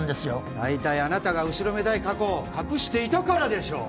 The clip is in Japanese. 大体あなたが後ろめたい過去を隠していたからでしょう